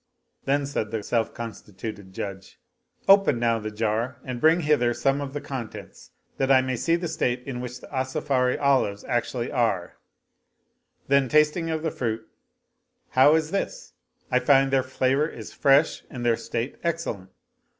Then said the self constituted Judge, " Open now the jar and bring hither some of the contents that I may see the state in which the Asafiri olives actually are." Then tasting of the fruit, " How is this? I find'their flavor is fresh and their state excellent.